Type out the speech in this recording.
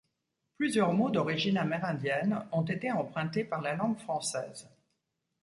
Plusieurs mots d’origine amérindienne ont été empruntés par la langue française.